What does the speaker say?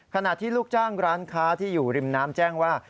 ขณะที่ลูกจ้างร้านค้าที่อยู่ริมน้ำแจ้งว่า